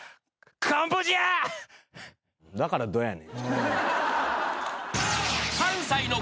だからどうやねん？